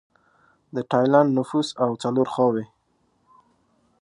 د ټایلنډ نفوس او څلور خواووې